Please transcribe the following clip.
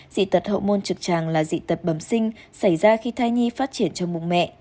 dị tật hậu môn trực tràng là dị tật bầm sinh xảy ra khi thai nhi phát triển trong mùng mẹ